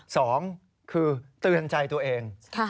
สองคือเตือนใจตัวเอง